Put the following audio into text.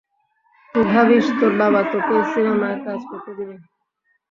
তুই ভাবিস তোর বাবা তোকে সিনেমায় কাজ করতে দিবে?